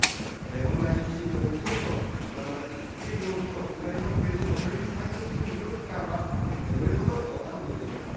オンライン診療を受けようと、受けるようにといわれますけれども、それに対応する医療機関はどれほどあるのでしょうか。